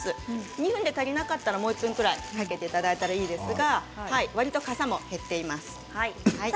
２分で足りなかったらもう１分ぐらいかけていただいたらいいですがわりと、かさも減っています。